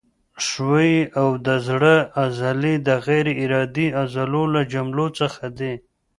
ښویې او د زړه عضلې د غیر ارادي عضلو له جملو څخه دي.